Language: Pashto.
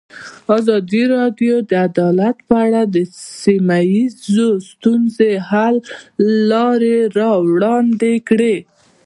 ازادي راډیو د عدالت په اړه د سیمه ییزو ستونزو حل لارې راوړاندې کړې.